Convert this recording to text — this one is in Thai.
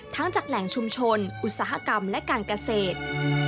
จากแหล่งชุมชนอุตสาหกรรมและการเกษตร